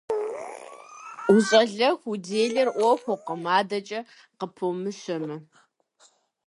УщӀалэху уделэр Ӏуэхукъым, адэкӀи къыпомыщэмэ.